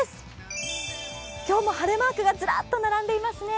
今日も晴れマークがずらっと並んでいますね。